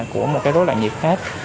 của một cái rối loạn dịp hết